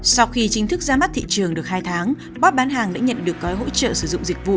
sau khi chính thức ra mắt thị trường được hai tháng bốt bản hàng đã nhận được cói hỗ trợ sử dụng dịch vụ